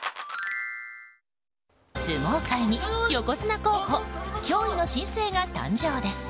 相撲界に横綱候補驚異の新星が誕生です。